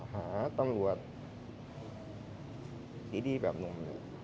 หาตำรวจผีดีแบบหนุ่ม